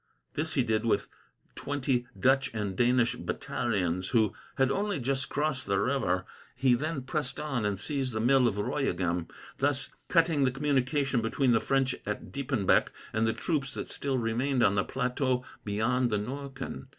This he did, with twenty Dutch and Danish battalions, who had only just crossed the river. He then pressed on and seized the mill of Royegham, thus cutting the communication between the French at Diepenbeck and the troops that still remained on the plateau beyond the Norken.